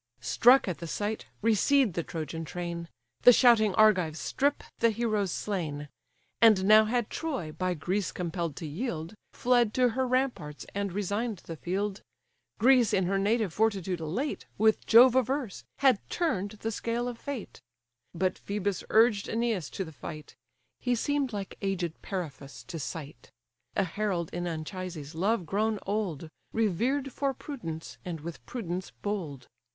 Struck at the sight, recede the Trojan train: The shouting Argives strip the heroes slain. And now had Troy, by Greece compell'd to yield, Fled to her ramparts, and resign'd the field; Greece, in her native fortitude elate, With Jove averse, had turn'd the scale of fate: But Phœbus urged Æneas to the fight; He seem'd like aged Periphas to sight: (A herald in Anchises' love grown old, Revered for prudence, and with prudence bold.)